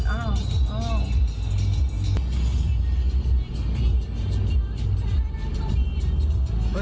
อ้าว